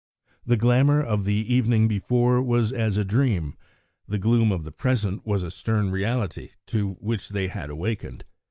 The glamour of the evening before was as a dream; the gloom of the present was a stern reality to which they had awakened.